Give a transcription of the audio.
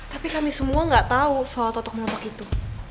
tapi kami semua gak tahu soal totok menotok itu